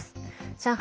上海